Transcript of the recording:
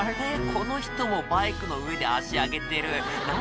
この人もバイクの上で足上げてる何？